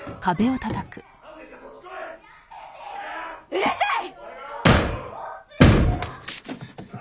うるさい！